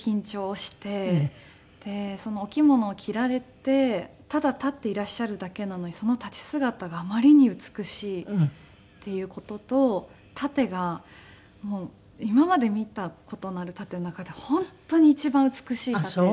でお着物を着られてただ立っていらっしゃるだけなのにその立ち姿があまりに美しいっていう事と殺陣が今まで見た事のある殺陣の中で本当に一番美しい殺陣で。